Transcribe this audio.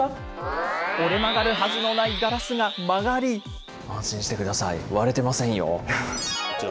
折れ曲がるはずのないガラスが曲安心してください、割れてませんよ。